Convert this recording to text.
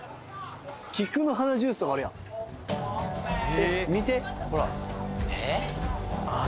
菊の花ジュースとかあるやん見てほらああー